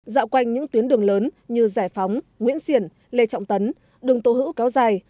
dạo quanh những tuyến đường lớn như giải phóng nguyễn xiển lê trọng tấn đường tô hữu kéo dài